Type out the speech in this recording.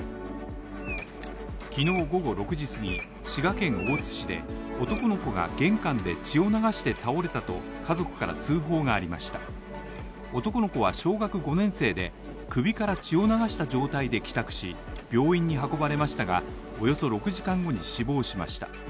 昨日午後６時すぎ、滋賀県大津市で男の子が玄関で血を流して倒れたと家族から通報がありました男の子は小学５年生で、首から血を流した状態で帰宅し病院に運ばれましたが、およそ６時間後に死亡しました。